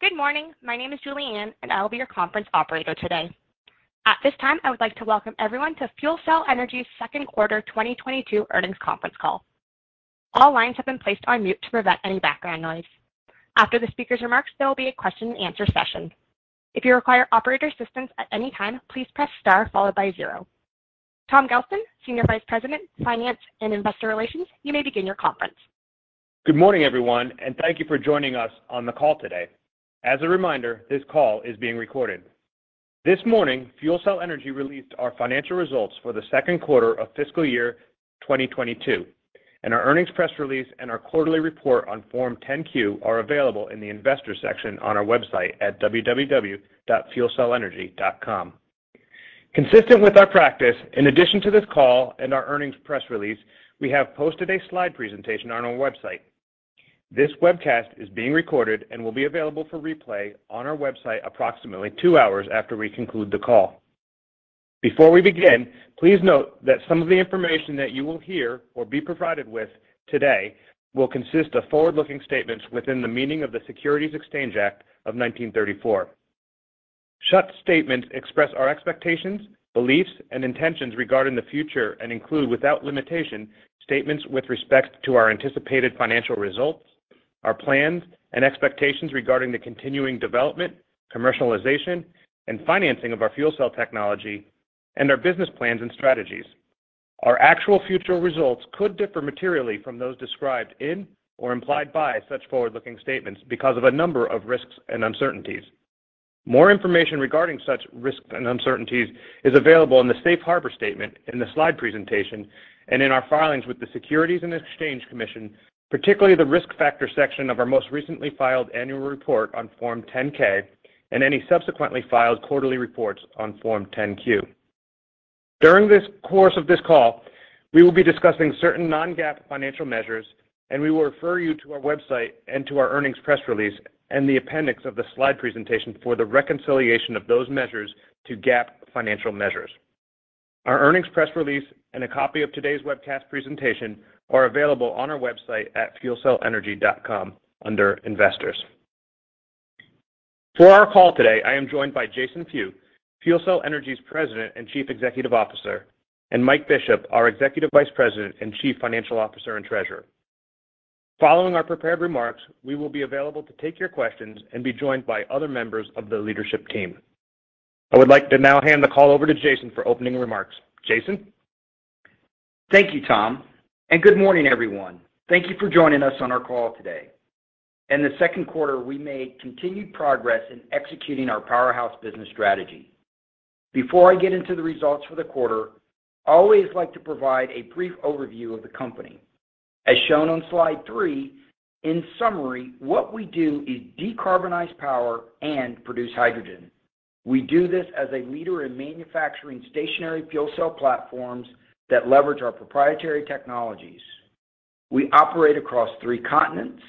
Good morning. My name is Julianne, and I will be your conference operator today. At this time, I would like to welcome everyone to FuelCell Energy's Second Quarter 2022 Earnings Conference Call. All lines have been placed on mute to prevent any background noise. After the speaker's remarks, there will be a question-and-answer session. If you require operator assistance at any time, please press star followed by zero. Tom Gelston, Senior Vice President, Finance and Investor Relations, you may begin your conference. Good morning, everyone, and thank you for joining us on the call today. As a reminder, this call is being recorded. This morning, FuelCell Energy released our financial results for the second quarter of fiscal year 2022, and our earnings press release and our quarterly report on Form 10-Q are available in the investors section on our website at www.fuelcellenergy.com. Consistent with our practice, in addition to this call and our earnings press release, we have posted a slide presentation on our website. This webcast is being recorded and will be available for replay on our website approximately two hours after we conclude the call. Before we begin, please note that some of the information that you will hear or be provided with today will consist of forward-looking statements within the meaning of the Securities Exchange Act of 1934. Such statements express our expectations, beliefs, and intentions regarding the future and include, without limitation, statements with respect to our anticipated financial results, our plans and expectations regarding the continuing development, commercialization, and financing of our fuel cell technology and our business plans and strategies. Our actual future results could differ materially from those described in or implied by such forward-looking statements because of a number of risks and uncertainties. More information regarding such risk and uncertainties is available in the Safe Harbor statement in the slide presentation and in our filings with the Securities and Exchange Commission, particularly the Risk Factor section of our most recently filed annual report on Form 10-K and any subsequently filed quarterly reports on Form 10-Q. During the course of this call, we will be discussing certain non-GAAP financial measures, and we will refer you to our website and to our earnings press release and the appendix of the slide presentation for the reconciliation of those measures to GAAP financial measures. Our earnings press release and a copy of today's webcast presentation are available on our website at fuelcellenergy.com under Investors. For our call today, I am joined by Jason Few, FuelCell Energy's President and Chief Executive Officer, and Mike Bishop, our Executive Vice President, Chief Financial Officer, and Treasurer. Following our prepared remarks, we will be available to take your questions and be joined by other members of the leadership team. I would like to now hand the call over to Jason for opening remarks. Jason? Thank you, Tom, and good morning, everyone. Thank you for joining us on our call today. In the second quarter, we made continued progress in executing our Powerhouse business strategy. Before I get into the results for the quarter, I always like to provide a brief overview of the company. As shown on slide three, in summary, what we do is decarbonize power and produce hydrogen. We do this as a leader in manufacturing stationary fuel cell platforms that leverage our proprietary technologies. We operate across three continents,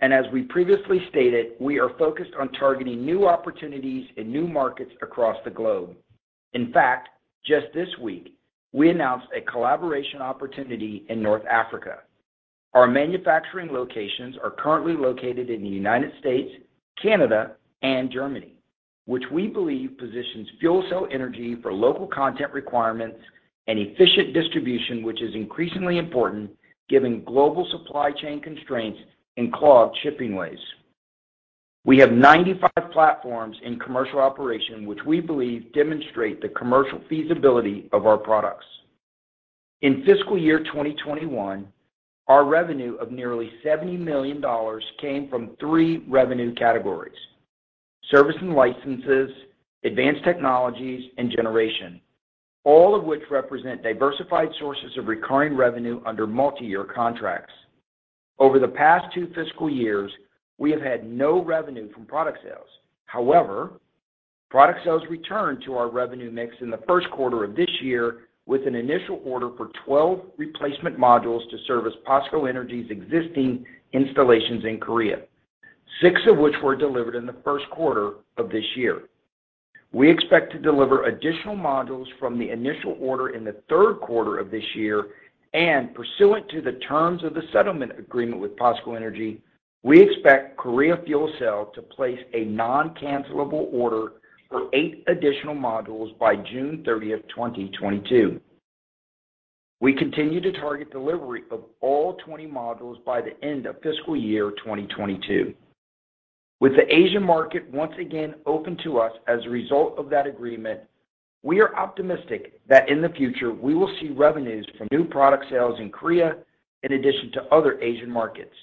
and as we previously stated, we are focused on targeting new opportunities in new markets across the globe. In fact, just this week, we announced a collaboration opportunity in North Africa. Our manufacturing locations are currently located in the United States, Canada, and Germany, which we believe positions FuelCell Energy for local content requirements and efficient distribution, which is increasingly important given global supply chain constraints and clogged shipping lanes. We have 95 platforms in commercial operation, which we believe demonstrate the commercial feasibility of our products. In fiscal year 2021, our revenue of nearly $70 million came from three revenue categories, service and licenses, advanced technologies, and generation, all of which represent diversified sources of recurring revenue under multi-year contracts. Over the past two fiscal years, we have had no revenue from product sales. However, product sales returned to our revenue mix in the first quarter of this year with an initial order for 12 replacement modules to service POSCO Energy's existing installations in Korea, six of which were delivered in the first quarter of this year. We expect to deliver additional modules from the initial order in the third quarter of this year and pursuant to the terms of the settlement agreement with POSCO Energy, we expect Korea Fuel Cell to place a non-cancelable order for eight additional modules by June 30, 2022. We continue to target delivery of all 20 modules by the end of fiscal year 2022. With the Asian market once again open to us as a result of that agreement, we are optimistic that in the future we will see revenues from new product sales in Korea in addition to other Asian markets,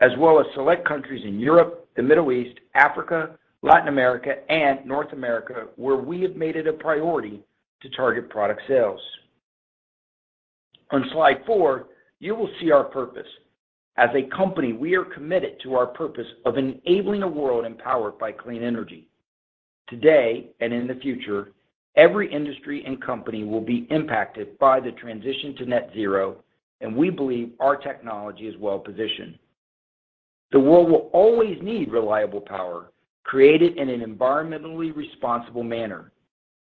as well as select countries in Europe, the Middle East, Africa, Latin America, and North America, where we have made it a priority to target product sales. On slide four, you will see our purpose. As a company, we are committed to our purpose of enabling a world empowered by clean energy. Today and in the future, every industry and company will be impacted by the transition to net zero, and we believe our technology is well-positioned. The world will always need reliable power created in an environmentally responsible manner.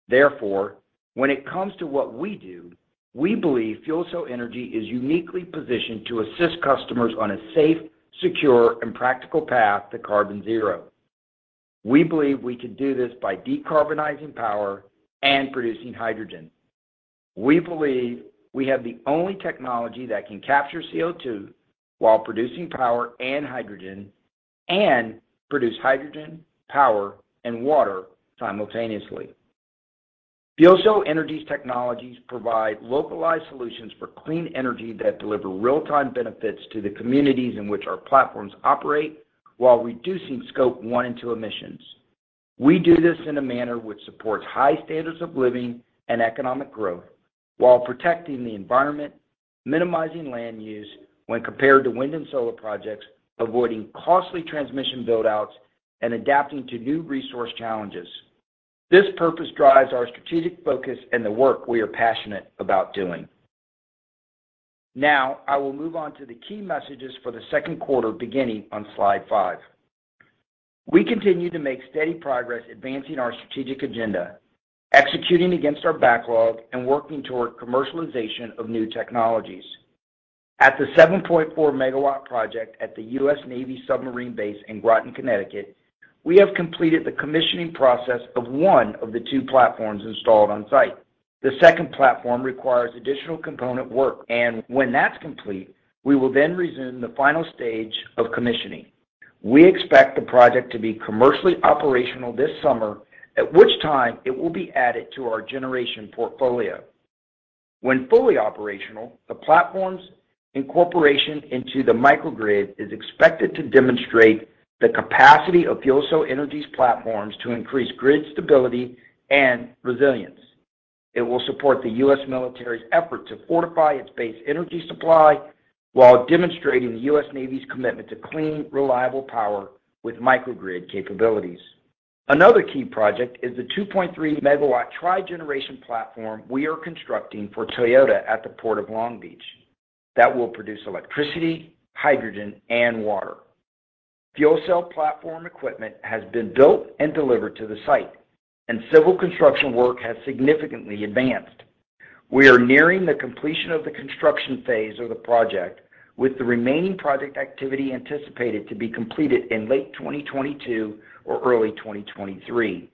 Therefore, when it comes to what we do, we believe FuelCell Energy is uniquely positioned to assist customers on a safe, secure, and practical path to carbon zero. We believe we can do this by decarbonizing power and producing hydrogen. We believe we have the only technology that can capture CO2 while producing power and hydrogen and produce hydrogen, power, and water simultaneously. FuelCell Energy's technologies provide localized solutions for clean energy that deliver real-time benefits to the communities in which our platforms operate while reducing Scope 1 and 2 emissions. We do this in a manner which supports high standards of living and economic growth while protecting the environment, minimizing land use when compared to wind and solar projects, avoiding costly transmission build-outs, and adapting to new resource challenges. This purpose drives our strategic focus and the work we are passionate about doing. Now, I will move on to the key messages for the second quarter beginning on slide five. We continue to make steady progress advancing our strategic agenda, executing against our backlog, and working toward commercialization of new technologies. At the 7.4-MW project at the U.S. Navy submarine base in Groton, Connecticut, we have completed the commissioning process of one of the two platforms installed on site. The second platform requires additional component work, and when that's complete, we will then resume the final stage of commissioning. We expect the project to be commercially operational this summer, at which time it will be added to our generation portfolio. When fully operational, the platform's incorporation into the microgrid is expected to demonstrate the capacity of FuelCell Energy's platforms to increase grid stability and resilience. It will support the U.S. military's effort to fortify its base energy supply while demonstrating the U.S. Navy's commitment to clean, reliable power with microgrid capabilities. Another key project is the 2.3 MW tri-generation platform we are constructing for Toyota at the Port of Long Beach that will produce electricity, hydrogen, and water. Fuel cell platform equipment has been built and delivered to the site, and civil construction work has significantly advanced. We are nearing the completion of the construction phase of the project, with the remaining project activity anticipated to be completed in late 2022 or early 2023.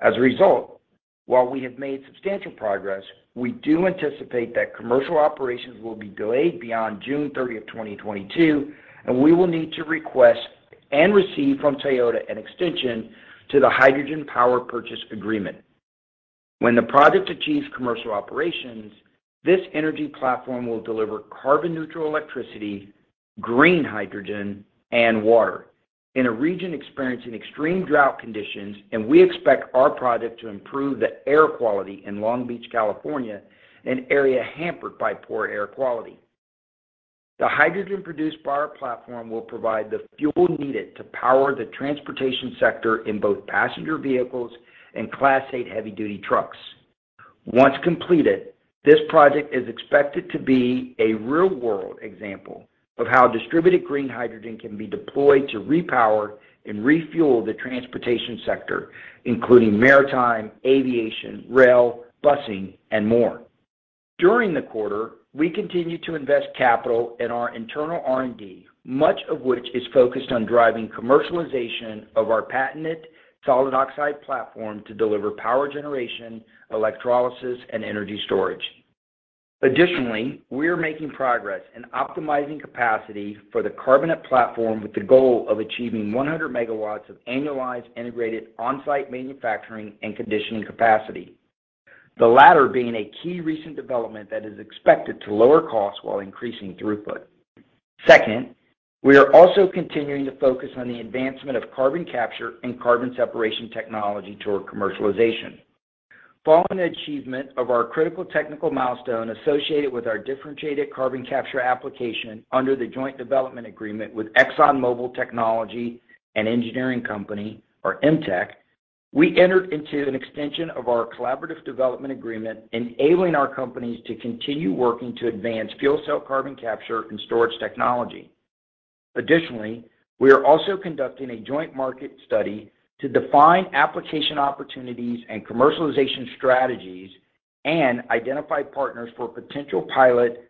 As a result, while we have made substantial progress, we do anticipate that commercial operations will be delayed beyond June 30 of 2022, and we will need to request and receive from Toyota an extension to the hydrogen power purchase agreement. When the project achieves commercial operations, this energy platform will deliver carbon-neutral electricity, green hydrogen, and water in a region experiencing extreme drought conditions, and we expect our project to improve the air quality in Long Beach, California, an area hampered by poor air quality. The hydrogen produced by our platform will provide the fuel needed to power the transportation sector in both passenger vehicles and Class 8 heavy-duty trucks. Once completed, this project is expected to be a real-world example of how distributed green hydrogen can be deployed to repower and refuel the transportation sector, including maritime, aviation, rail, busing, and more. During the quarter, we continued to invest capital in our internal R&D, much of which is focused on driving commercialization of our patented Solid Oxide platform to deliver power generation, electrolysis, and energy storage. Additionally, we are making progress in optimizing capacity for the carbonate platform with the goal of achieving 100 MW of annualized integrated on-site manufacturing and conditioning capacity, the latter being a key recent development that is expected to lower costs while increasing throughput. Second, we are also continuing to focus on the advancement of carbon capture and carbon separation technology toward commercialization. Following achievement of our critical technical milestone associated with our differentiated carbon capture application under the joint development agreement with ExxonMobil Technology and Engineering Company, or EMTEC, we entered into an extension of our collaborative development agreement, enabling our companies to continue working to advance fuel cell carbon capture and storage technology. Additionally, we are also conducting a joint market study to define application opportunities and commercialization strategies and identify partners for potential pilot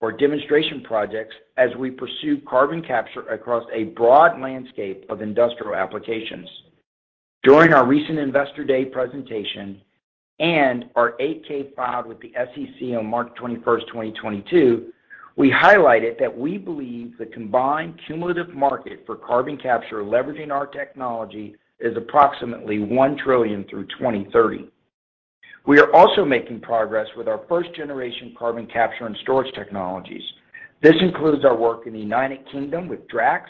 or demonstration projects as we pursue carbon capture across a broad landscape of industrial applications. During our recent Investor Day presentation and our 8-K filed with the SEC on March 21, 2022, we highlighted that we believe the combined cumulative market for carbon capture leveraging our technology is approximately 1 trillion through 2030. We are also making progress with our first generation carbon capture and storage technologies. This includes our work in the United Kingdom with Drax,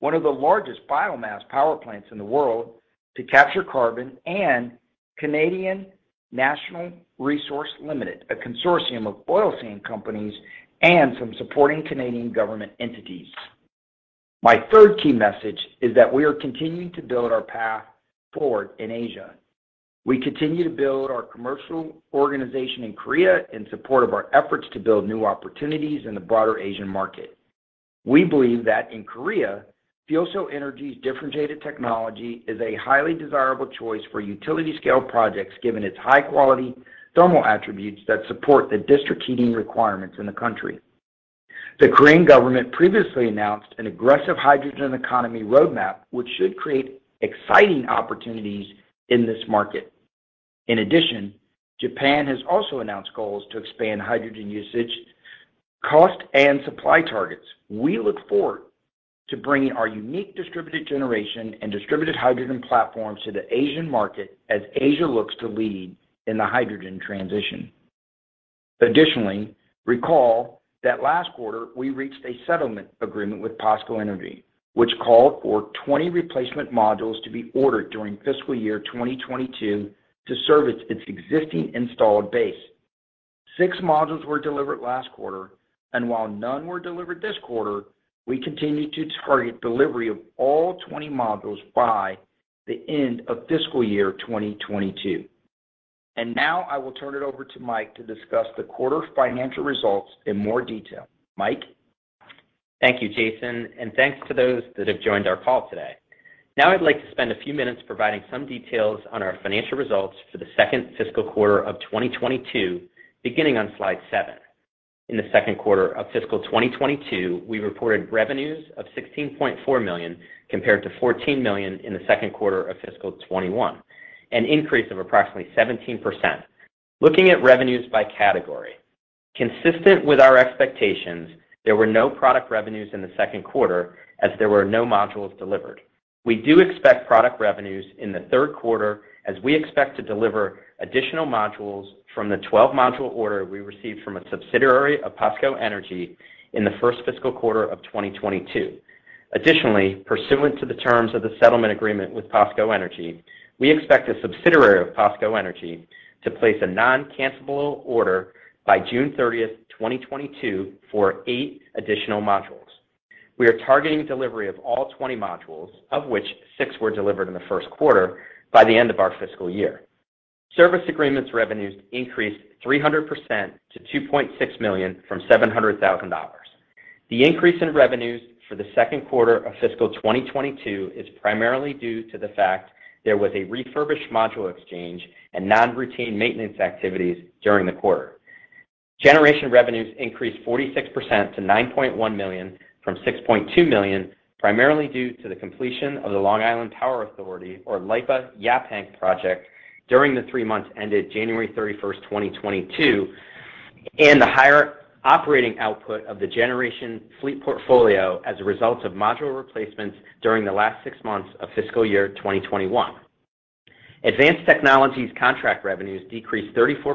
one of the largest biomass power plants in the world, to capture carbon, and Canadian Natural Resources Limited, a consortium of oil sand companies and some supporting Canadian government entities. My third key message is that we are continuing to build our path forward in Asia. We continue to build our commercial organization in Korea in support of our efforts to build new opportunities in the broader Asian market. We believe that in Korea, FuelCell Energy's differentiated technology is a highly desirable choice for utility scale projects given its high quality thermal attributes that support the district heating requirements in the country. The Korean government previously announced an aggressive hydrogen economy roadmap, which should create exciting opportunities in this market. In addition, Japan has also announced goals to expand hydrogen usage, cost, and supply targets. We look forward to bringing our unique distributed generation and distributed hydrogen platforms to the Asian market as Asia looks to lead in the hydrogen transition. Additionally, recall that last quarter, we reached a settlement agreement with POSCO Energy, which called for 20 replacement modules to be ordered during fiscal year 2022 to service its existing installed base. Six modules were delivered last quarter, and while none were delivered this quarter, we continue to target delivery of all 20 modules by the end of fiscal year 2022. Now I will turn it over to Mike to discuss the quarter financial results in more detail. Mike? Thank you, Jason, and thanks to those that have joined our call today. Now I'd like to spend a few minutes providing some details on our financial results for the second fiscal quarter of 2022, beginning on slide seven. In the second quarter of fiscal 2022, we reported revenues of $16.4 million compared to $14 million in the second quarter of fiscal 2021, an increase of approximately 17%. Looking at revenues by category, consistent with our expectations, there were no product revenues in the second quarter as there were no modules delivered. We do expect product revenues in the third quarter as we expect to deliver additional modules from the 12-module order we received from a subsidiary of POSCO Energy in the first fiscal quarter of 2022. Additionally, pursuant to the terms of the settlement agreement with POSCO Energy, we expect a subsidiary of POSCO Energy to place a non-cancelable order by June 30, 2022, for eight additional modules. We are targeting delivery of all 20 modules, of which six were delivered in the first quarter, by the end of our fiscal year. Service agreements revenues increased 300% to $2.6 million from $700,000. The increase in revenues for the second quarter of fiscal 2022 is primarily due to the fact there was a refurbished module exchange and non-routine maintenance activities during the quarter. Generation revenues increased 46% to $9.1 million from $6.2 million, primarily due to the completion of the Long Island Power Authority, or LIPA, Yaphank project during the three months ended January 31, 2022, and the higher operating output of the generation fleet portfolio as a result of module replacements during the last six months of fiscal year 2021. Advanced Technologies contract revenues decreased 34%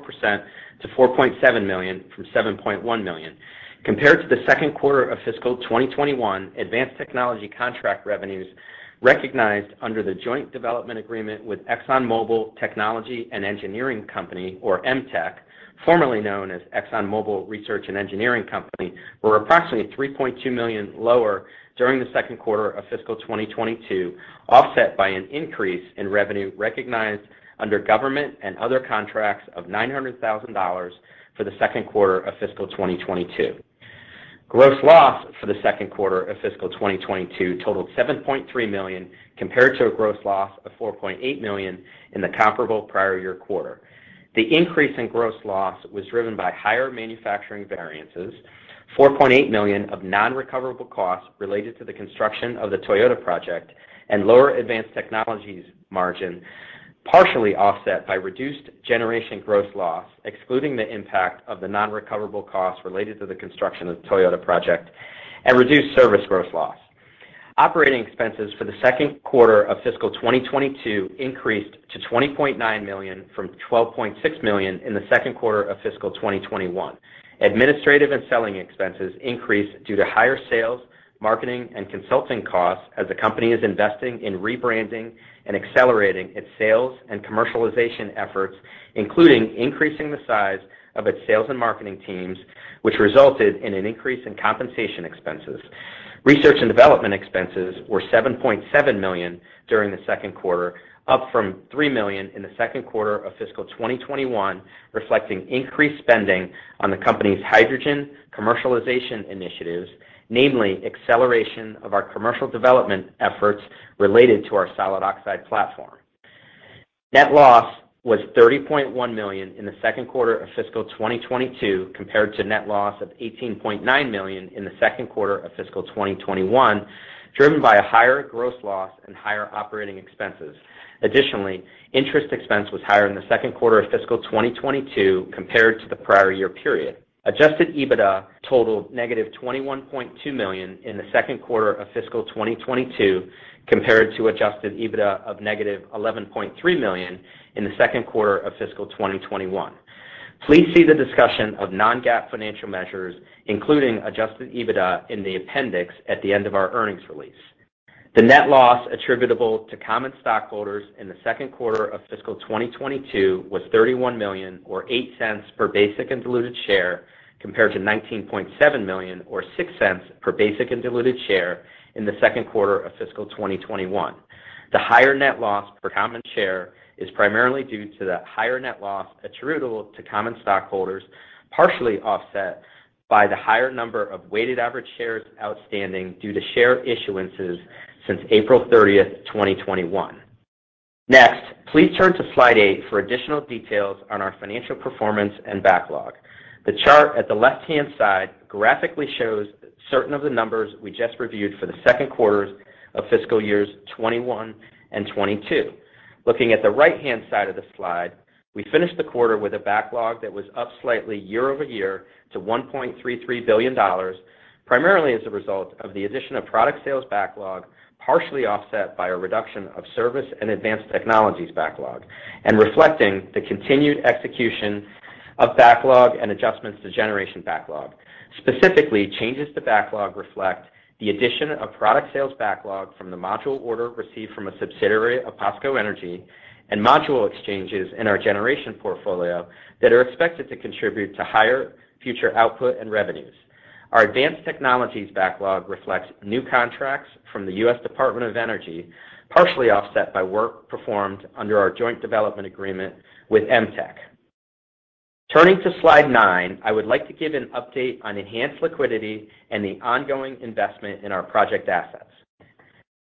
to $4.7 million from $7.1 million. Compared to the second quarter of fiscal 2021, Advanced Technology contract revenues recognized under the joint development agreement with ExxonMobil Technology and Engineering Company, or EMTEC, formerly known as ExxonMobil Research and Engineering Company, were approximately $3.2 million lower during the second quarter of fiscal 2022, offset by an increase in revenue recognized under government and other contracts of $900,000 for the second quarter of fiscal 2022. Gross loss for the second quarter of fiscal 2022 totaled $7.3 million, compared to a gross loss of $4.8 million in the comparable prior year quarter. The increase in gross loss was driven by higher manufacturing variances, $4.8 million of non-recoverable costs related to the construction of the Toyota project, and lower Advanced Technologies margin, partially offset by reduced generation gross loss, excluding the impact of the non-recoverable costs related to the construction of the Toyota project, and reduced service gross loss. Operating expenses for the second quarter of fiscal 2022 increased to $20.9 million from $12.6 million in the second quarter of fiscal 2021. Administrative and selling expenses increased due to higher sales, marketing, and consulting costs as the company is investing in rebranding and accelerating its sales and commercialization efforts, including increasing the size of its sales and marketing teams, which resulted in an increase in compensation expenses. Research and development expenses were $7.7 million during the second quarter, up from $3 million in the second quarter of fiscal 2021, reflecting increased spending on the company's hydrogen commercialization initiatives, namely acceleration of our commercial development efforts related to our solid oxide platform. Net loss was $30.1 million in the second quarter of fiscal 2022, compared to net loss of $18.9 million in the second quarter of fiscal 2021, driven by a higher gross loss and higher operating expenses. Additionally, interest expense was higher in the second quarter of fiscal 2022 compared to the prior year period. Adjusted EBITDA totaled -$21.2 million in the second quarter of fiscal 2022, compared to adjusted EBITDA of -$11.3 million in the second quarter of fiscal 2021. Please see the discussion of non-GAAP financial measures, including adjusted EBITDA, in the appendix at the end of our earnings release. The net loss attributable to common stockholders in the second quarter of fiscal 2022 was $31 million or $0.08 per basic and diluted share, compared to $19.7 million or $0.06 per basic and diluted share in the second quarter of fiscal 2021. The higher net loss per common share is primarily due to the higher net loss attributable to common stockholders, partially offset by the higher number of weighted average shares outstanding due to share issuances since April 30, 2021. Next, please turn to slide eight for additional details on our financial performance and backlog. The chart at the left-hand side graphically shows certain of the numbers we just reviewed for the second quarters of fiscal years 2021 and 2022. Looking at the right-hand side of the slide, we finished the quarter with a backlog that was up slightly year-over-year to $1.33 billion, primarily as a result of the addition of product sales backlog, partially offset by a reduction of service and Advanced Technologies backlog, and reflecting the continued execution of backlog and adjustments to generation backlog. Specifically, changes to backlog reflect the addition of product sales backlog from the module order received from a subsidiary of POSCO Energy and module exchanges in our generation portfolio that are expected to contribute to higher future output and revenues. Our Advanced Technologies backlog reflects new contracts from the U.S. Department of Energy, partially offset by work performed under our joint development agreement with EMTEC. Turning to slide nine, I would like to give an update on enhanced liquidity and the ongoing investment in our project assets.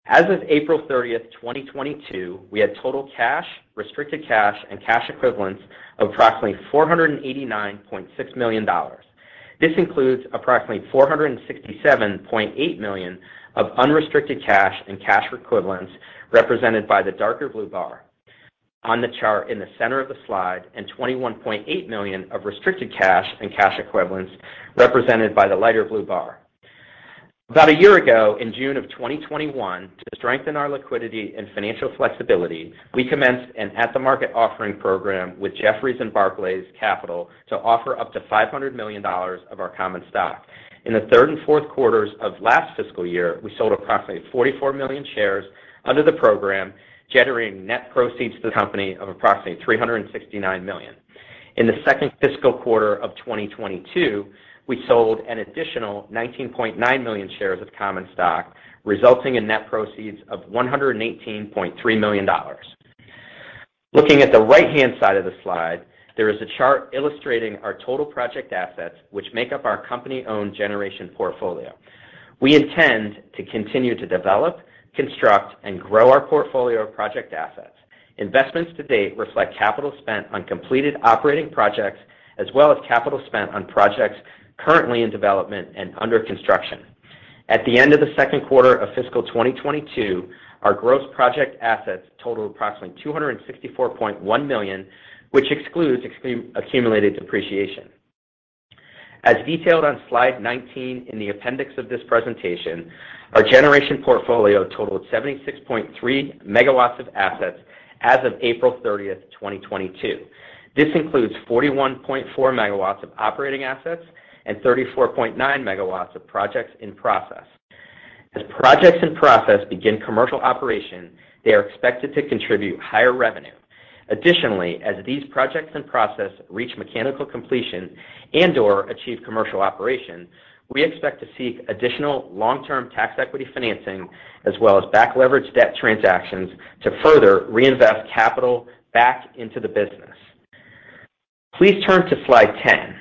As of April thirtieth, 2022, we had total cash, restricted cash, and cash equivalents of approximately $489.6 million. This includes approximately $467.8 million of unrestricted cash and cash equivalents, represented by the darker blue bar on the chart in the center of the slide, and $21.8 million of restricted cash and cash equivalents, represented by the lighter blue bar. About a year ago, in June of 2021, to strengthen our liquidity and financial flexibility, we commenced an at-the-market offering program with Jefferies and Barclays Capital to offer up to $500 million of our common stock. In the third and fourth quarters of last fiscal year, we sold approximately 44 million shares under the program, generating net proceeds to the company of approximately $369 million. In the second fiscal quarter of 2022, we sold an additional 19.9 million shares of common stock, resulting in net proceeds of $118.3 million. Looking at the right-hand side of the slide, there is a chart illustrating our total project assets, which make up our company-owned generation portfolio. We intend to continue to develop, construct, and grow our portfolio of project assets. Investments to date reflect capital spent on completed operating projects, as well as capital spent on projects currently in development and under construction. At the end of the second quarter of fiscal 2022, our gross project assets totaled approximately 264.1 million, which excludes accumulated depreciation. As detailed on slide 19 in the appendix of this presentation, our generation portfolio totaled 76.3 MW of assets as of April 30, 2022. This includes 41.4 MW of operating assets and 34.9 MW of projects in process. As projects in process begin commercial operation, they are expected to contribute higher revenue. Additionally, as these projects in process reach mechanical completion and/or achieve commercial operation, we expect to seek additional long-term tax equity financing as well as back-leveraged debt transactions to further reinvest capital back into the business. Please turn to slide 10.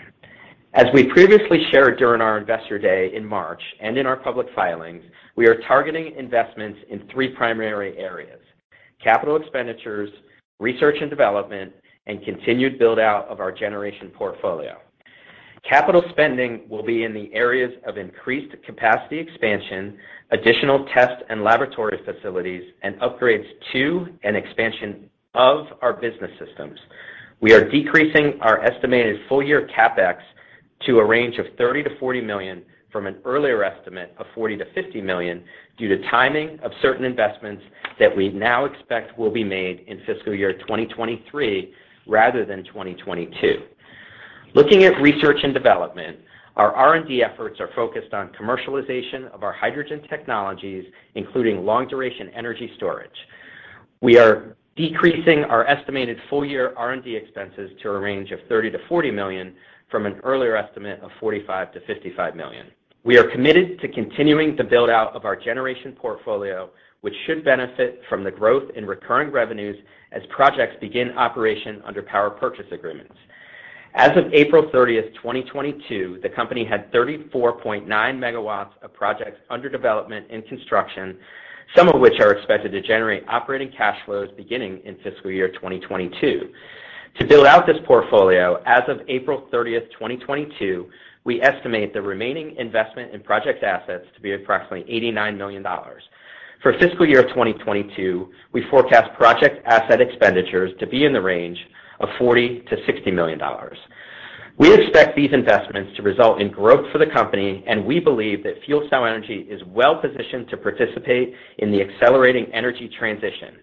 As we previously shared during our Investor Day in March and in our public filings, we are targeting investments in three primary areas, capital expenditures, research and development, and continued build-out of our generation portfolio. Capital spending will be in the areas of increased capacity expansion, additional test and laboratory facilities, and upgrades to and expansion of our business systems. We are decreasing our estimated full-year CapEx to a range of $30 million-$40 million from an earlier estimate of $40 million-$50 million due to timing of certain investments that we now expect will be made in fiscal year 2023 rather than 2022. Looking at research and development, our R&D efforts are focused on commercialization of our hydrogen technologies, including long-duration energy storage. We are decreasing our estimated full-year R&D expenses to a range of $30 million-$40 million from an earlier estimate of $45 million-$55 million. We are committed to continuing the build-out of our generation portfolio, which should benefit from the growth in recurring revenues as projects begin operation under power purchase agreements. As of April 30, 2022, the company had 34.9 MW of projects under development in construction, some of which are expected to generate operating cash flows beginning in fiscal year 2022. To build out this portfolio, as of April 30, 2022, we estimate the remaining investment in project assets to be approximately $89 million. For fiscal year of 2022, we forecast project asset expenditures to be in the range of $40 million-$60 million. We expect these investments to result in growth for the company, and we believe that FuelCell Energy is well-positioned to participate in the accelerating energy transition.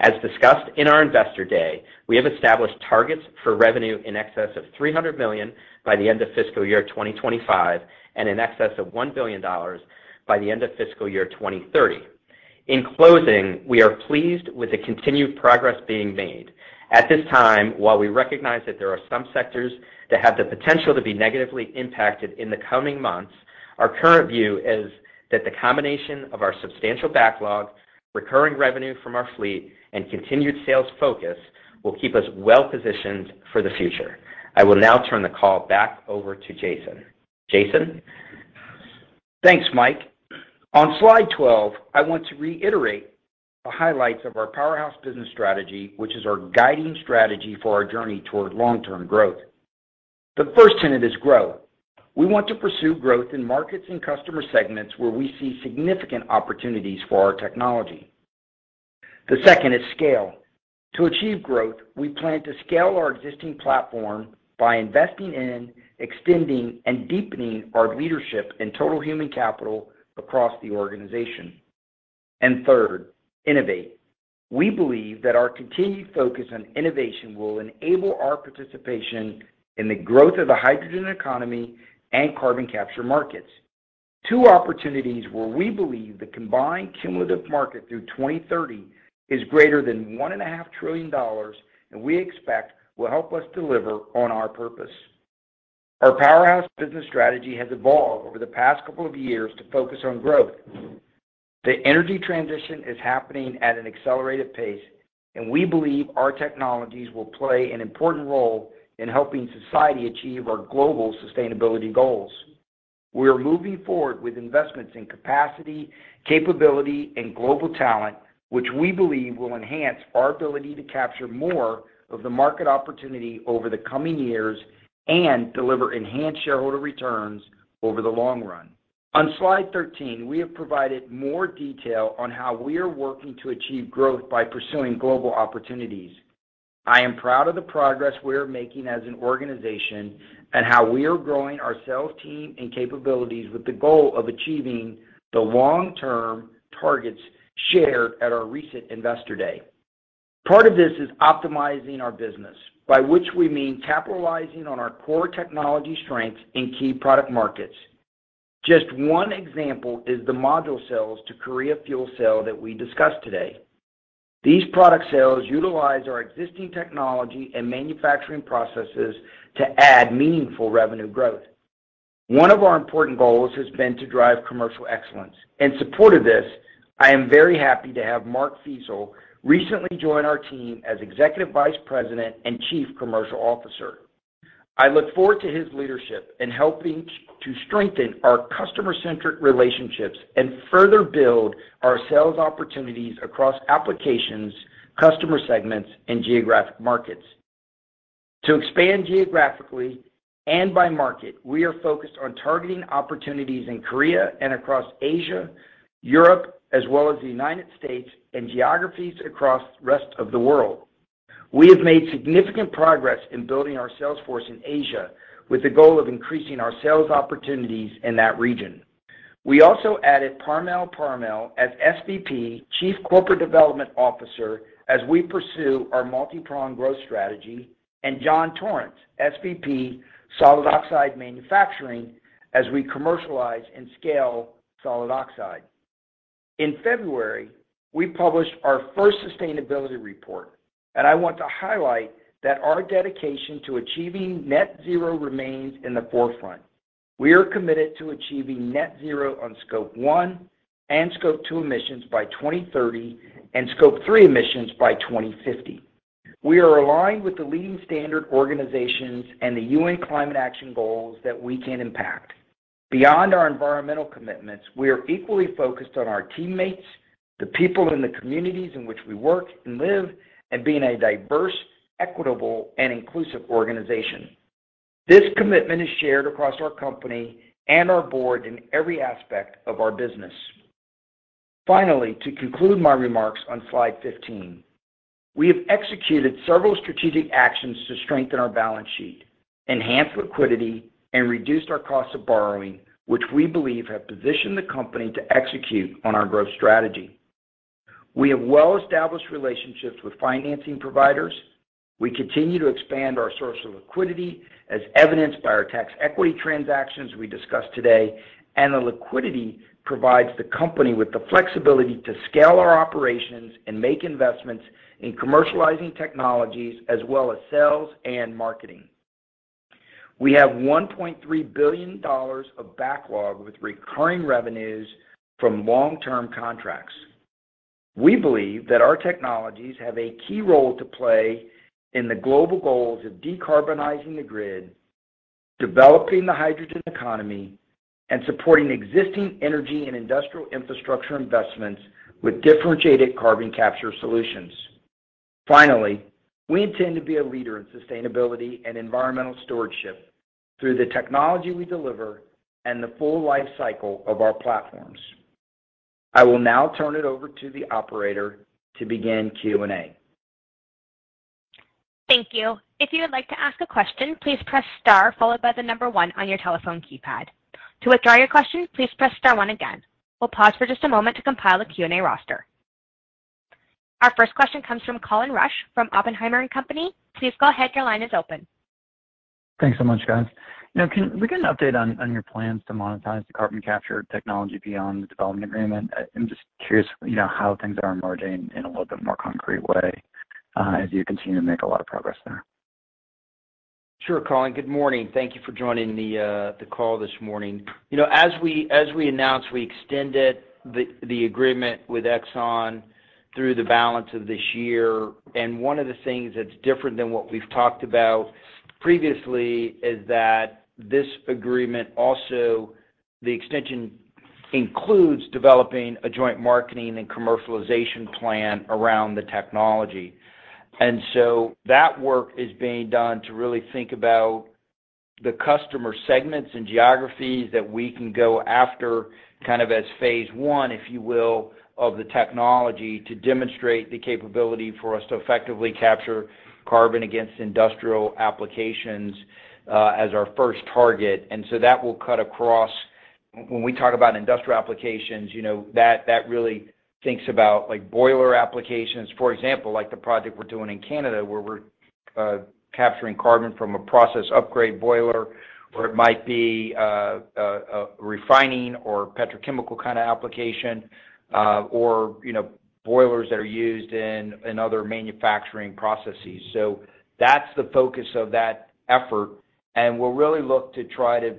As discussed in our Investor Day, we have established targets for revenue in excess of $300 million by the end of fiscal year 2025 and in excess of $1 billion by the end of fiscal year 2030. In closing, we are pleased with the continued progress being made. At this time, while we recognize that there are some sectors that have the potential to be negatively impacted in the coming months, our current view is that the combination of our substantial backlog, recurring revenue from our fleet, and continued sales focus will keep us well-positioned for the future. I will now turn the call back over to Jason. Jason? Thanks, Mike. On slide 12, I want to reiterate the highlights of our Powerhouse business strategy, which is our guiding strategy for our journey toward long-term growth. The first tenet is growth. We want to pursue growth in markets and customer segments where we see significant opportunities for our technology. The second is scale. To achieve growth, we plan to scale our existing platform by investing in, extending, and deepening our leadership in total human capital across the organization. Third, innovate. We believe that our continued focus on innovation will enable our participation in the growth of the hydrogen economy and carbon capture markets. Two opportunities where we believe the combined cumulative market through 2030 is greater than $1.5 trillion, and we expect will help us deliver on our purpose. Our Powerhouse business strategy has evolved over the past couple of years to focus on growth. The energy transition is happening at an accelerated pace, and we believe our technologies will play an important role in helping society achieve our global sustainability goals. We are moving forward with investments in capacity, capability, and global talent, which we believe will enhance our ability to capture more of the market opportunity over the coming years and deliver enhanced shareholder returns over the long run. On slide 13, we have provided more detail on how we are working to achieve growth by pursuing global opportunities. I am proud of the progress we are making as an organization and how we are growing our sales team and capabilities with the goal of achieving the long-term targets shared at our recent Investor Day. Part of this is optimizing our business, by which we mean capitalizing on our core technology strengths in key product markets. Just one example is the module sales to Korea Fuel Cell that we discussed today. These product sales utilize our existing technology and manufacturing processes to add meaningful revenue growth. One of our important goals has been to drive commercial excellence. In support of this, I am very happy to have Mark Feasel recently join our team as Executive Vice President and Chief Commercial Officer. I look forward to his leadership in helping to strengthen our customer-centric relationships and further build our sales opportunities across applications, customer segments, and geographic markets. To expand geographically and by market, we are focused on targeting opportunities in Korea and across Asia, Europe, as well as the United States and geographies across the rest of the world. We have made significant progress in building our sales force in Asia with the goal of increasing our sales opportunities in that region. We also added Parimal as SVP, Chief Corporate Development Officer, as we pursue our multi-pronged growth strategy, and John Torrance, SVP, Solid Oxide Manufacturing, as we commercialize and scale solid oxide. In February, we published our first sustainability report, and I want to highlight that our dedication to achieving net zero remains in the forefront. We are committed to achieving net zero on Scope 1 and Scope 2 emissions by 2030 and Scope 3 emissions by 2050. We are aligned with the leading standard organizations and the UN climate action goals that we can impact. Beyond our environmental commitments, we are equally focused on our teammates, the people in the communities in which we work and live, and being a diverse, equitable, and inclusive organization. This commitment is shared across our company and our board in every aspect of our business. Finally, to conclude my remarks on slide 15, we have executed several strategic actions to strengthen our balance sheet, enhance liquidity, and reduced our cost of borrowing, which we believe have positioned the company to execute on our growth strategy. We have well-established relationships with financing providers. We continue to expand our source of liquidity as evidenced by our tax equity transactions we discussed today. The liquidity provides the company with the flexibility to scale our operations and make investments in commercializing technologies as well as sales and marketing. We have $1.3 billion of backlog with recurring revenues from long-term contracts. We believe that our technologies have a key role to play in the global goals of decarbonizing the grid, developing the hydrogen economy, and supporting existing energy and industrial infrastructure investments with differentiated carbon capture solutions. Finally, we intend to be a leader in sustainability and environmental stewardship through the technology we deliver and the full life cycle of our platforms. I will now turn it over to the operator to begin Q&A. Thank you. If you would like to ask a question, please press star followed by the number one on your telephone keypad. To withdraw your question, please press star one again. We'll pause for just a moment to compile a Q&A roster. Our first question comes from Colin Rusch from Oppenheimer & Co. Please go ahead. Your line is open. Thanks so much, guys. Now can we get an update on your plans to monetize the carbon capture technology beyond the development agreement? I'm just curious, you know, how things are emerging in a little bit more concrete way, as you continue to make a lot of progress there. Sure, Colin. Good morning. Thank you for joining the call this morning. You know, as we announced, we extended the agreement with Exxon through the balance of this year. One of the things that's different than what we've talked about previously is that this agreement also, the extension includes developing a joint marketing and commercialization plan around the technology. That work is being done to really think about the customer segments and geographies that we can go after kind of as phase one, if you will, of the technology to demonstrate the capability for us to effectively capture carbon against industrial applications, as our first target. That will cut across. When we talk about industrial applications, you know, that really thinks about like boiler applications, for example, like the project we're doing in Canada, where we're capturing carbon from a process upgrade boiler or it might be a refining or petrochemical kind of application, or, you know, boilers that are used in other manufacturing processes. That's the focus of that effort. We'll really look to try to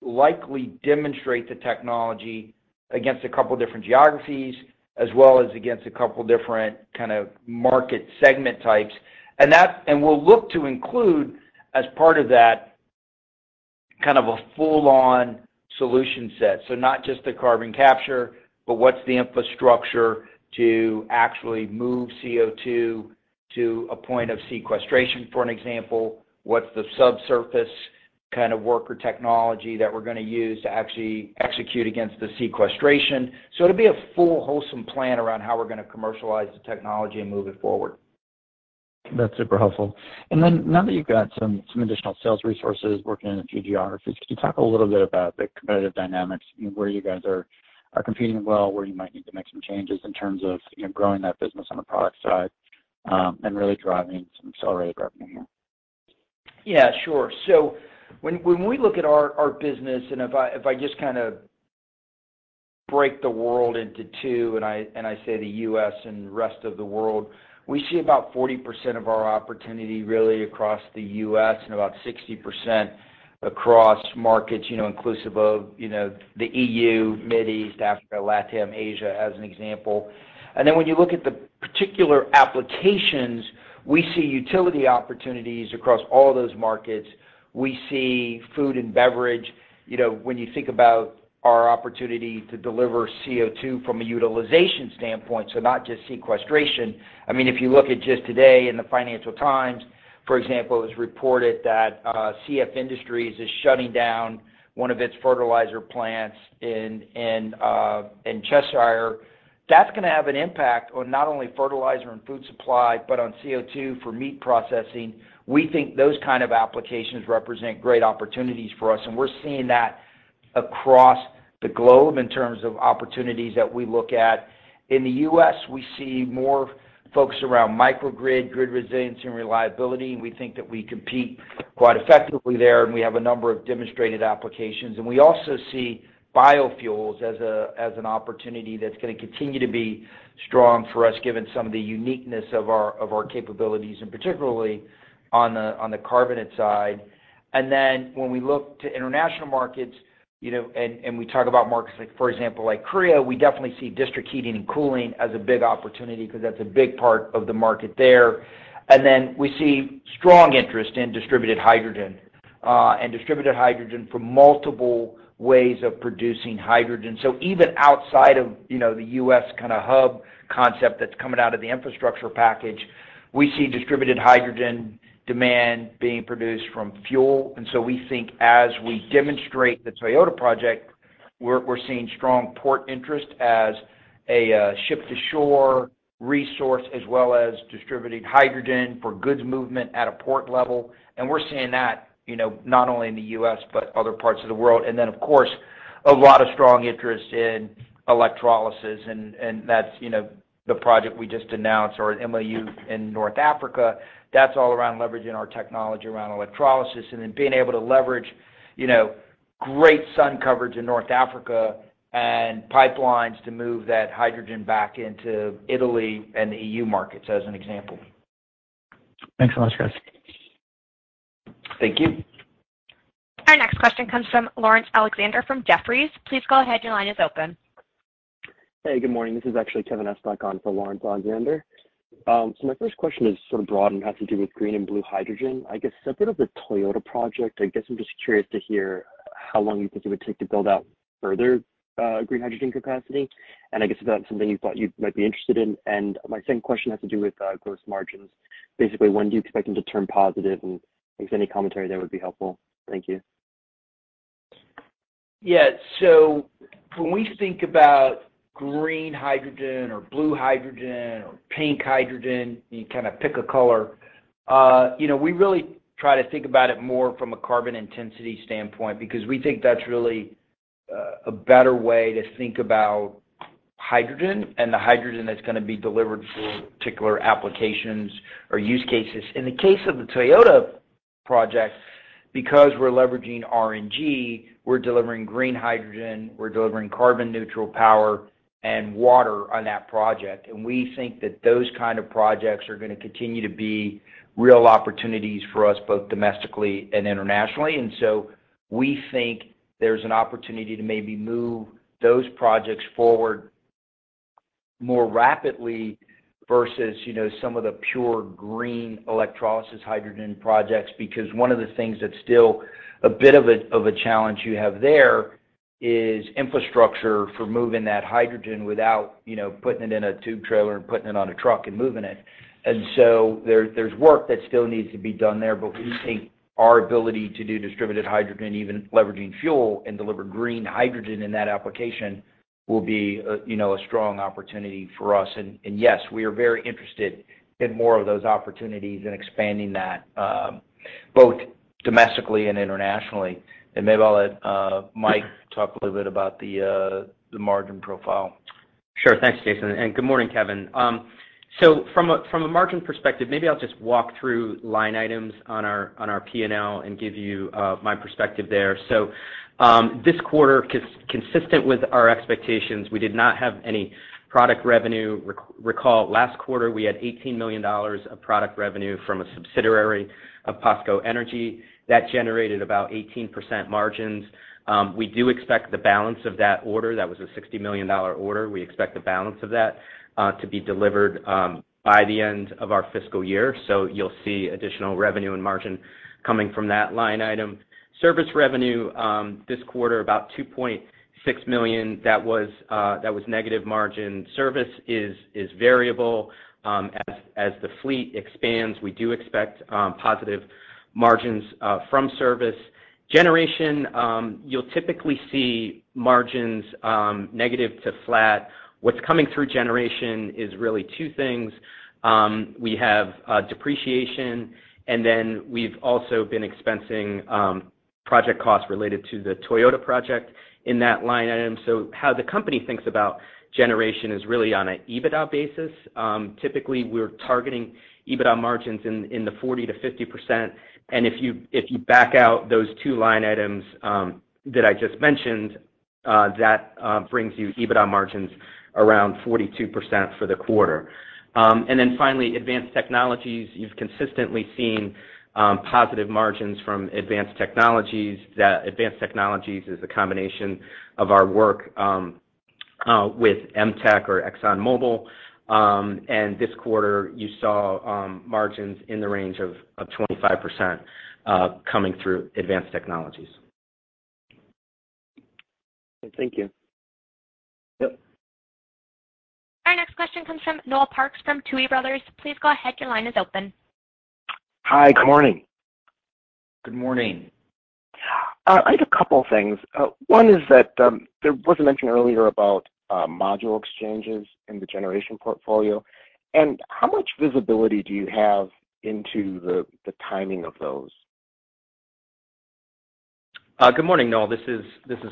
likely demonstrate the technology against a couple different geographies as well as against a couple different kind of market segment types. We'll look to include as part of that kind of a full on solution set. Not just the carbon capture, but what's the infrastructure to actually move CO2 to a point of sequestration, for example. What's the subsurface kind of work or technology that we're gonna use to actually execute against the sequestration? It'll be a full wholesale plan around how we're gonna commercialize the technology and move it forward. That's super helpful. Now that you've got some additional sales resources working in a few geographies, can you talk a little bit about the competitive dynamics, you know, where you guys are competing well, where you might need to make some changes in terms of, you know, growing that business on the product side, and really driving some accelerated revenue here? Yeah, sure. When we look at our business, and if I just kind of break the world into two and I say the U.S. and the rest of the world, we see about 40% of our opportunity really across the U.S. and about 60% across markets, you know, inclusive of, you know, the EU, Mid East, Africa, LatAm, Asia as an example. When you look at the particular applications, we see utility opportunities across all those markets. We see food and beverage. You know, when you think about our opportunity to deliver CO2 from a utilization standpoint, so not just sequestration. I mean, if you look at just today in the Financial Times, for example, it was reported that CF Industries is shutting down one of its fertilizer plants in Cheshire. That's gonna have an impact on not only fertilizer and food supply, but on CO2 for meat processing. We think those kind of applications represent great opportunities for us, and we're seeing that across the globe in terms of opportunities that we look at. In the U.S., we see more focus around microgrid, grid resilience and reliability, and we think that we compete quite effectively there, and we have a number of demonstrated applications. We also see biofuels as an opportunity that's gonna continue to be strong for us, given some of the uniqueness of our capabilities, and particularly on the carbonate side. When we look to international markets, you know, and we talk about markets like, for example, like Korea, we definitely see district heating and cooling as a big opportunity 'cause that's a big part of the market there. We see strong interest in distributed hydrogen, and distributed hydrogen for multiple ways of producing hydrogen. Even outside of, you know, the U.S. kind of hub concept that's coming out of the infrastructure package, we see distributed hydrogen demand being produced from fuel. We think as we demonstrate the Toyota project, we're seeing strong port interest as a ship-to-shore resource as well as distributing hydrogen for goods movement at a port level. We're seeing that, you know, not only in the U.S., but other parts of the world. Of course, a lot of strong interest in electrolysis and that's, you know, the project we just announced or an MOU in North Africa. That's all around leveraging our technology around electrolysis and then being able to leverage, you know, great sun coverage in North Africa and pipelines to move that hydrogen back into Italy and the EU markets as an example. Thanks so much, guys. Thank you. Our next question comes from Laurence Alexander from Jefferies. Please go ahead. Your line is open. Hey, good morning. This is actually Kevin Estok on for Laurence Alexander. My first question is sort of broad and has to do with green and blue hydrogen. I guess separate of the Toyota project, I guess I'm just curious to hear how long you think it would take to build out further, green hydrogen capacity, and I guess if that's something you thought you might be interested in. My second question has to do with, gross margins. Basically, when do you expect them to turn positive? And I guess any commentary there would be helpful. Thank you. Yeah. When we think about green hydrogen or blue hydrogen or pink hydrogen, you kind of pick a color, you know, we really try to think about it more from a carbon intensity standpoint because we think that's really a better way to think about hydrogen and the hydrogen that's gonna be delivered for particular applications or use cases. In the case of the Toyota project, because we're leveraging RNG, we're delivering green hydrogen, we're delivering carbon neutral power and water on that project. We think that those kind of projects are gonna continue to be real opportunities for us, both domestically and internationally. We think there's an opportunity to maybe move those projects forward more rapidly versus, you know, some of the pure green electrolysis hydrogen projects. Because one of the things that's still a bit of a challenge you have there is infrastructure for moving that hydrogen without, you know, putting it in a tube trailer and putting it on a truck and moving it. There's work that still needs to be done there, but we think our ability to do distributed hydrogen, even leveraging fuel delivery to deliver green hydrogen in that application will be a, you know, a strong opportunity for us. Yes, we are very interested in more of those opportunities and expanding that both domestically and internationally. Maybe I'll let Mike talk a little bit about the margin profile. Sure. Thanks, Jason. Good morning, Kevin. From a margin perspective, maybe I'll just walk through line items on our P&L and give you my perspective there. This quarter consistent with our expectations, we did not have any product revenue. Recall last quarter we had $18 million of product revenue from a subsidiary of POSCO Energy that generated about 18% margins. We do expect the balance of that order, that was a $60 million order, we expect the balance of that to be delivered by the end of our fiscal year. You'll see additional revenue and margin coming from that line item. Service revenue this quarter about $2.6 million, that was negative margin. Service is variable. As the fleet expands, we expect positive margins from service. Generation, you'll typically see margins negative to flat. What's coming through generation is really two things. We have depreciation, and then we've also been expensing project costs related to the Toyota project in that line item. How the company thinks about generation is really on an EBITDA basis. Typically, we're targeting EBITDA margins in the 40%-50%. If you back out those two line items that I just mentioned, that brings you EBITDA margins around 42% for the quarter. Finally, Advanced Technologies. You've consistently seen positive margins from Advanced Technologies. That Advanced Technologies is a combination of our work with EMTEC or ExxonMobil. This quarter you saw margins in the range of 25% coming through Advanced Technologies. Thank you. Yep. Our next question comes from Noel Parks from Tuohy Brothers. Please go ahead, your line is open. Hi. Good morning. Good morning. I had a couple things. One is that there was a mention earlier about module exchanges in the generation portfolio, and how much visibility do you have into the timing of those? Good morning, Noel. This is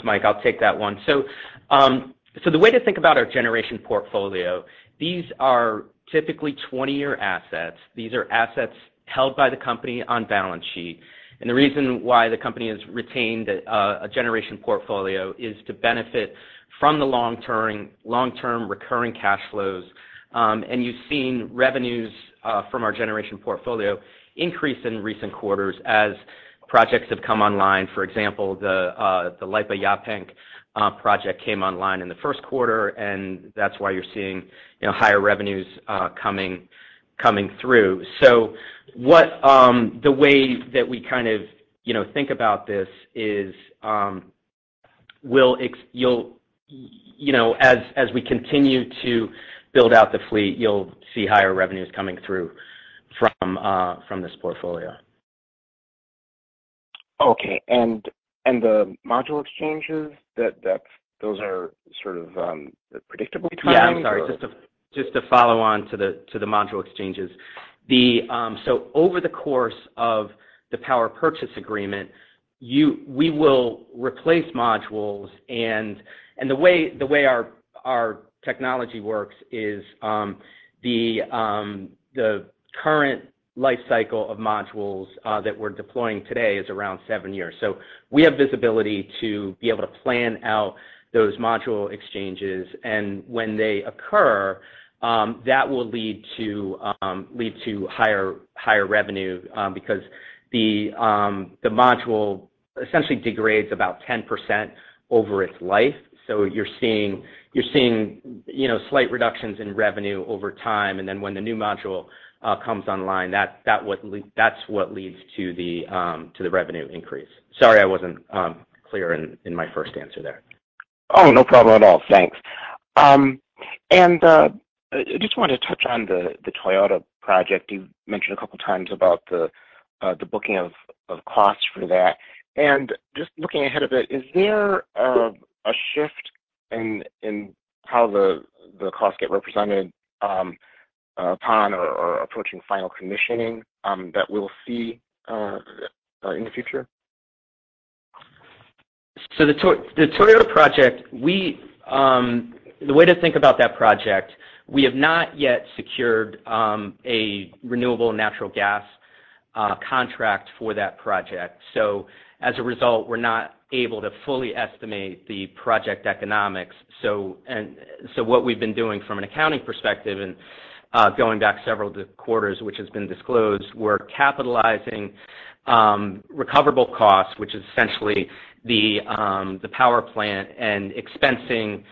Mike. I'll take that one. The way to think about our generation portfolio, these are typically 20-year assets. These are assets held by the company on balance sheet. The reason why the company has retained a generation portfolio is to benefit from the long-term recurring cash flows. You've seen revenues from our generation portfolio increase in recent quarters as projects have come online. For example, the LIPA Yaphank project came online in the first quarter, and that's why you're seeing higher revenues coming through. The way that we kind of, you know, think about this is, as we continue to build out the fleet, you'll see higher revenues coming through from this portfolio. Okay. The module exchanges, those are sort of the predictable timing. Yeah. I'm sorry. Just to follow on to the module exchanges. Over the course of the power purchase agreement, we will replace modules. The way our technology works is the current life cycle of modules that we're deploying today is around seven years. We have visibility to be able to plan out those module exchanges. When they occur, that will lead to higher revenue because the module essentially degrades about 10% over its life. You're seeing, you know, slight reductions in revenue over time. Then when the new module comes online, that's what leads to the revenue increase. Sorry I wasn't clear in my first answer there. Oh, no problem at all. Thanks. I just wanted to touch on the Toyota project. You've mentioned a couple times about the booking of costs for that. Just looking ahead a bit, is there a shift and how the costs get represented, upon or approaching final commissioning, that we'll see in the future? The Toyota project. The way to think about that project, we have not yet secured a renewable natural gas contract for that project. As a result, we're not able to fully estimate the project economics. What we've been doing from an accounting perspective and going back several quarters, which has been disclosed, we're capitalizing recoverable costs, which is essentially the power plant and expensing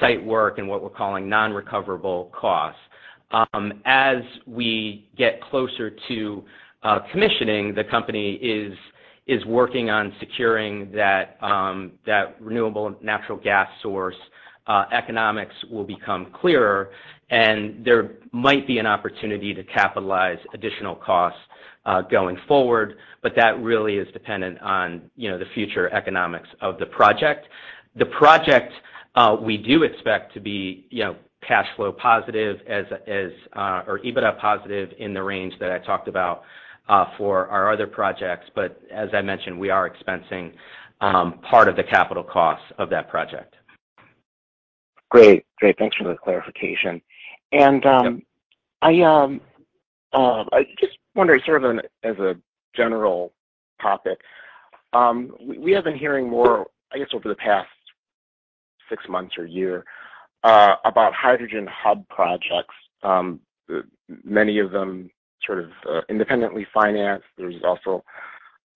site work and what we're calling non-recoverable costs. As we get closer to commissioning, the company is working on securing that renewable natural gas source. Economics will become clearer, and there might be an opportunity to capitalize additional costs going forward, but that really is dependent on, you know, the future economics of the project. The project, we do expect to be, you know, cash flow positive or EBITDA positive in the range that I talked about for our other projects. As I mentioned, we are expensing part of the capital costs of that project. Great. Thanks for the clarification. Yep. I just wondering sort of, as a general topic, we have been hearing more, I guess, over the past six months or year, about hydrogen hub projects, many of them sort of independently financed. There's also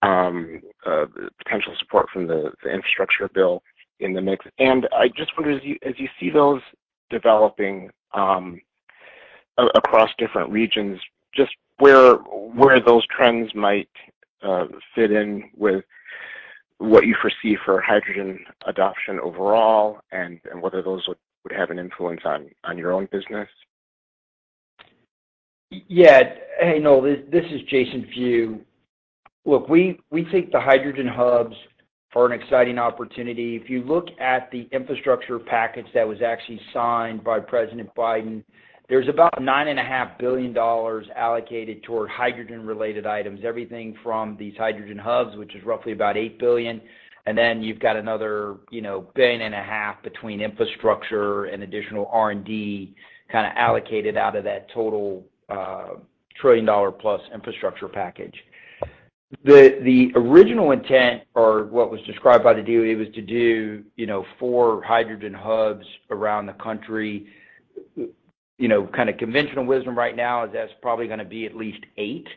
potential support from the infrastructure bill in the mix. I just wonder as you see those developing across different regions, just where those trends might fit in with what you foresee for hydrogen adoption overall and whether those would have an influence on your own business. Yeah. Hey, Noel, this is Jason Few. Look, we think the hydrogen hubs are an exciting opportunity. If you look at the infrastructure package that was actually signed by President Biden, there's about $9.5 billion allocated toward hydrogen-related items, everything from these hydrogen hubs, which is roughly about $8 billion, and then you've got another, you know, $1.5 billion between infrastructure and additional R&D kinda allocated out of that total $1 trillion plus infrastructure package. The original intent or what was described by the DOE was to do, you know, four hydrogen hubs around the country. You know, kind of conventional wisdom right now is that's probably gonna be at least eight.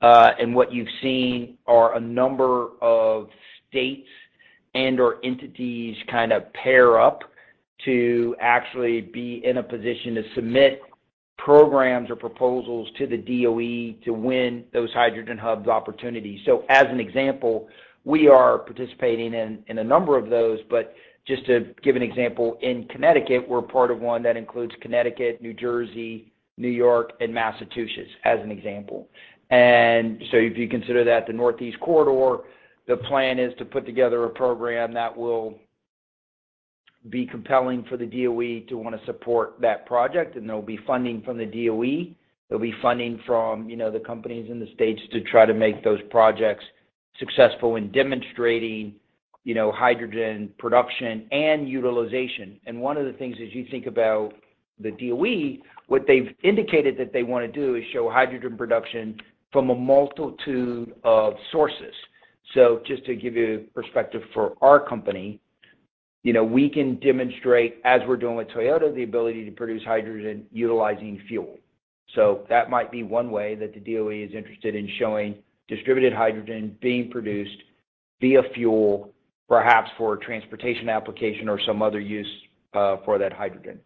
What you've seen are a number of states and/or entities kind of pair up to actually be in a position to submit programs or proposals to the DOE to win those hydrogen hubs opportunities. As an example, we are participating in a number of those. Just to give an example, in Connecticut, we're part of one that includes Connecticut, New Jersey, New York, and Massachusetts, as an example. If you consider that the Northeast Corridor, the plan is to put together a program that will be compelling for the DOE to wanna support that project. There'll be funding from the DOE. There'll be funding from, you know, the companies in the states to try to make those projects successful in demonstrating, you know, hydrogen production and utilization. One of the things as you think about the DOE, what they've indicated that they wanna do is show hydrogen production from a multitude of sources. Just to give you perspective for our company, you know, we can demonstrate, as we're doing with Toyota, the ability to produce hydrogen utilizing fuel. That might be one way that the DOE is interested in showing distributed hydrogen being produced via fuel, perhaps for a transportation application or some other use, for that hydrogen.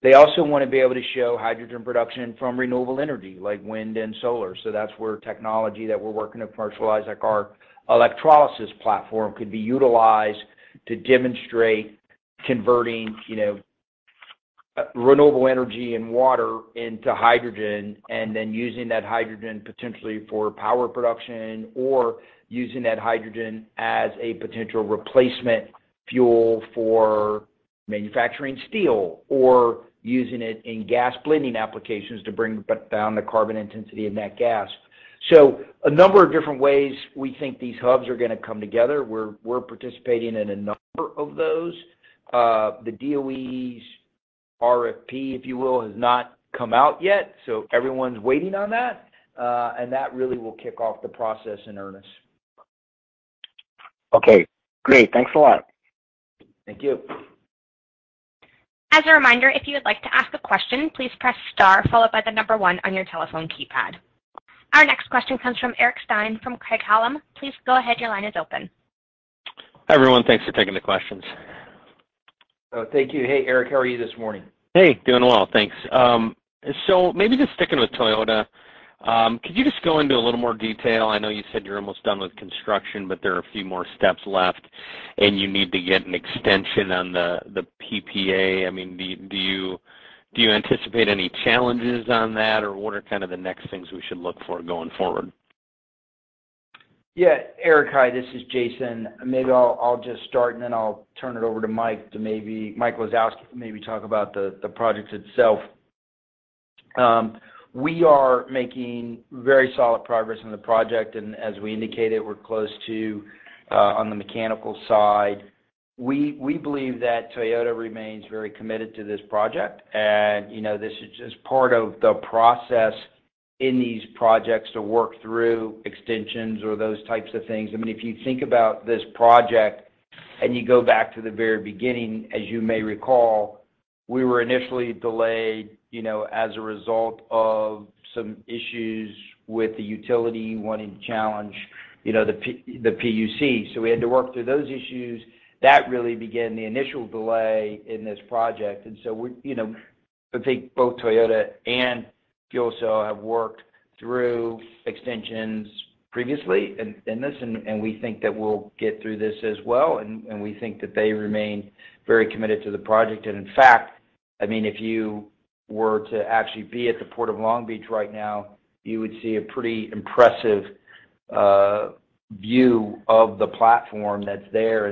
They also wanna be able to show hydrogen production from renewable energy like wind and solar. That's where technology that we're working to commercialize, like our electrolysis platform, could be utilized to demonstrate converting, you know, renewable energy and water into hydrogen, and then using that hydrogen potentially for power production or using that hydrogen as a potential replacement fuel for manufacturing steel or using it in gas blending applications to bring down the carbon intensity of that gas. A number of different ways we think these hubs are gonna come together. We're participating in a number of those. The DOE's RFP, if you will, has not come out yet, so everyone's waiting on that. That really will kick off the process in earnest. Okay, great. Thanks a lot. Thank you. As a reminder, if you would like to ask a question, please press star followed by the number one on your telephone keypad. Our next question comes from Eric Stine from Craig-Hallum. Please go ahead, your line is open. Hi, everyone. Thanks for taking the questions. Oh, thank you. Hey, Eric, how are you this morning? Hey, doing well, thanks. Maybe just sticking with Toyota, could you just go into a little more detail? I know you said you're almost done with construction, but there are a few more steps left, and you need to get an extension on the PPA. I mean, do you anticipate any challenges on that? Or what are kind of the next things we should look for going forward? Yeah, Eric. Hi, this is Jason. Maybe I'll just start and then I'll turn it over to Michael Lisowski to maybe talk about the projects itself. We are making very solid progress on the project, and as we indicated, we're close to on the mechanical side. We believe that Toyota remains very committed to this project and, you know, this is just part of the process in these projects to work through extensions or those types of things. I mean, if you think about this project and you go back to the very beginning, as you may recall, we were initially delayed, you know, as a result of some issues with the utility wanting to challenge, you know, the PUC. We had to work through those issues. That really began the initial delay in this project. We're, you know, I think both Toyota and FuelCell have worked through extensions previously in this and we think that we'll get through this as well, and we think that they remain very committed to the project. In fact, I mean, if you were to actually be at the Port of Long Beach right now, you would see a pretty impressive view of the platform that's there.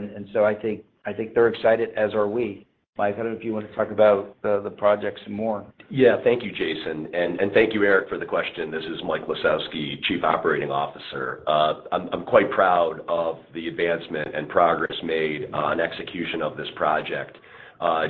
I think they're excited, as are we. Mike, I don't know if you wanna talk about the projects some more. Yeah. Thank you, Jason. And thank you, Eric, for the question. This is Michael Lisowski, Chief Operating Officer. I'm quite proud of the advancement and progress made on execution of this project.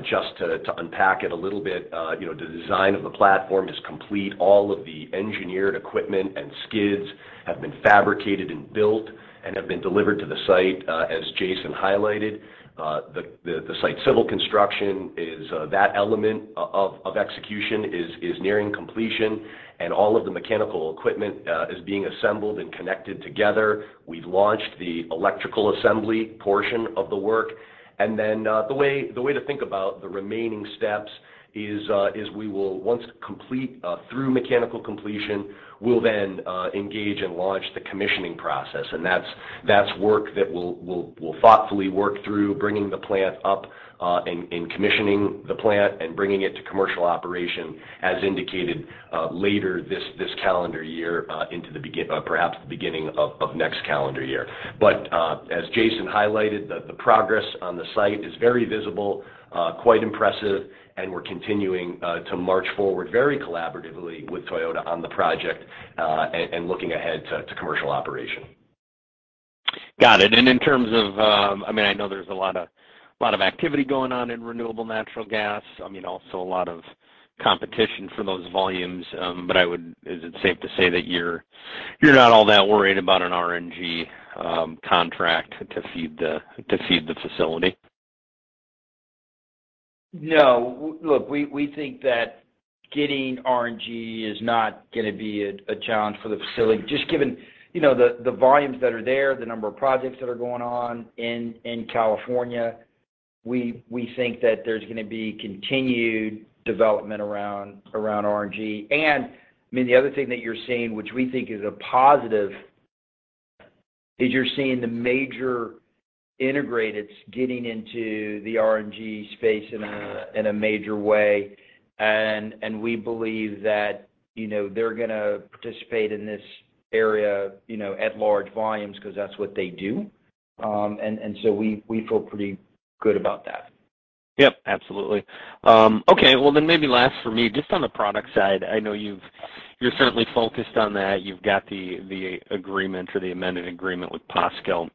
Just to unpack it a little bit, you know, the design of the platform is complete. All of the engineered equipment and skids have been fabricated and built and have been delivered to the site, as Jason highlighted. The site civil construction is that element of execution is nearing completion, and all of the mechanical equipment is being assembled and connected together. We've launched the electrical assembly portion of the work. Then, the way to think about the remaining steps is we will once complete through mechanical completion, we'll then engage and launch the commissioning process. That's work that we'll thoughtfully work through bringing the plant up, and commissioning the plant and bringing it to commercial operation as indicated, later this calendar year, into perhaps the beginning of next calendar year. As Jason highlighted, the progress on the site is very visible, quite impressive, and we're continuing to march forward very collaboratively with Toyota on the project, and looking ahead to commercial operation. Got it. In terms of, I mean, I know there's a lot of activity going on in renewable natural gas, I mean, also a lot of competition for those volumes, but is it safe to say that you're not all that worried about an RNG contract to feed the facility? Look, we think that getting RNG is not gonna be a challenge for the facility. Just given you know, the volumes that are there, the number of projects that are going on in California, we think that there's gonna be continued development around RNG. I mean, the other thing that you're seeing, which we think is a positive, is you're seeing the major integrateds getting into the RNG space in a major way. We believe that, you know, they're gonna participate in this area, you know, at large volumes 'cause that's what they do. We feel pretty good about that. Yep, absolutely. Okay. Well, maybe last for me, just on the product side, I know you're certainly focused on that. You've got the agreement or the amended agreement with POSCO.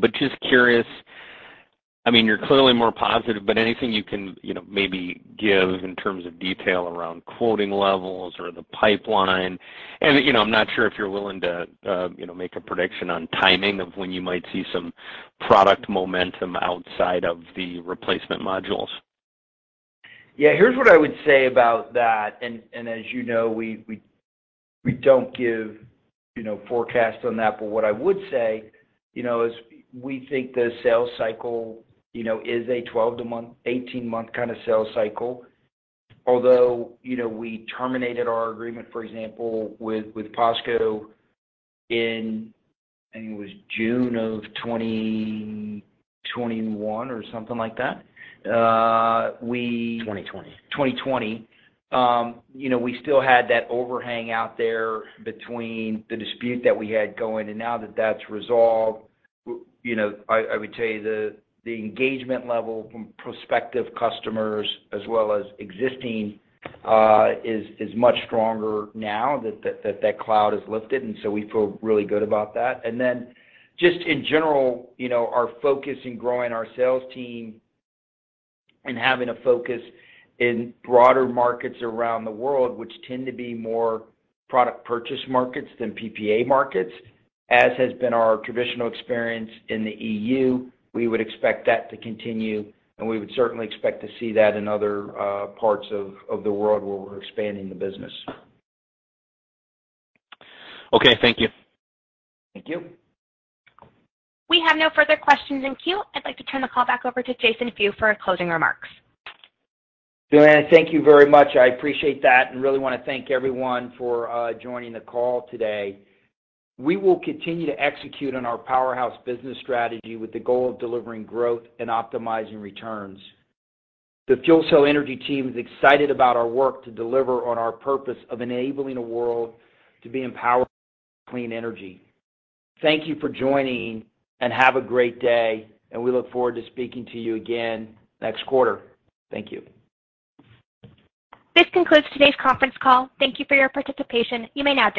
But just curious, I mean, you're clearly more positive, but anything you can, you know, maybe give in terms of detail around quoting levels or the pipeline? And, you know, I'm not sure if you're willing to, you know, make a prediction on timing of when you might see some product momentum outside of the replacement modules. Yeah. Here's what I would say about that, and as you know, we don't give, you know, forecasts on that. What I would say, you know, is we think the sales cycle, you know, is a 12 to 18-month kind of sales cycle. Although, you know, we terminated our agreement, for example, with POSCO in, I think it was June of 2021 or something like that. We- 2020. 2020. You know, we still had that overhang out there between the dispute that we had going, and now that that's resolved, you know, I would tell you the engagement level from prospective customers as well as existing is much stronger now that that cloud is lifted, and so we feel really good about that. Then just in general, you know, our focus in growing our sales team and having a focus in broader markets around the world, which tend to be more product purchase markets than PPA markets, as has been our traditional experience in the EU, we would expect that to continue, and we would certainly expect to see that in other parts of the world where we're expanding the business. Okay, thank you. Thank you. We have no further questions in queue. I'd like to turn the call back over to Jason Few for our closing remarks. Joanna, thank you very much. I appreciate that, and really wanna thank everyone for joining the call today. We will continue to execute on our powerhouse business strategy with the goal of delivering growth and optimizing returns. The FuelCell Energy team is excited about our work to deliver on our purpose of enabling a world to be empowered with clean energy. Thank you for joining and have a great day, and we look forward to speaking to you again next quarter. Thank you. This concludes today's conference call. Thank you for your participation. You may now disconnect.